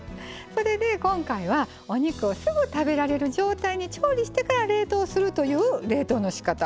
それで、今回は、お肉をすぐ食べられる状態に調理してから冷凍するという冷凍のしかた。